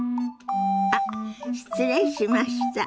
あっ失礼しました。